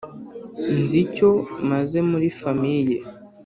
nzi icyo mazemuri famiye